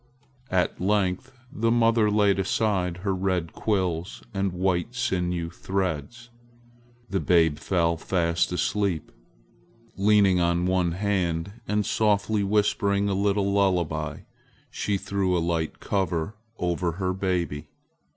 At length the mother laid aside her red quills and white sinew threads. The babe fell fast asleep. Leaning on one hand and softly whispering a little lullaby, she threw a light cover over her baby.